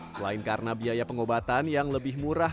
selain karena biaya pengobatan yang lebih murah